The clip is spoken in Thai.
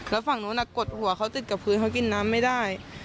แล้วฝั่งนู้นกดหัวเขาติดกับพื้นเขากินน้ำไม่ได้